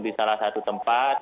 di salah satu tempat